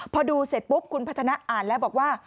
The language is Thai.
พอดูเสร็จปุ๊บคุณพัฒนาอ่านแล้วบอกว่า